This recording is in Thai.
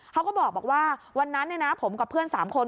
เขาก็บอกว่าวันนั้นผมกับเพื่อน๓คน